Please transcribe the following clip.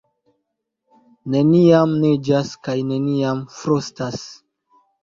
Neniam neĝas kaj neniam frostas.